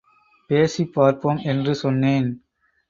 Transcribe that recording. பேசிப் பார்ப்போம் என்று சொன்னேன்.